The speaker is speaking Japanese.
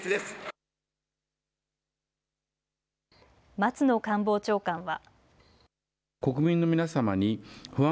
松野官房長官は。